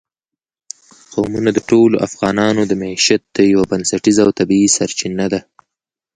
قومونه د ټولو افغانانو د معیشت یوه بنسټیزه او طبیعي سرچینه ده.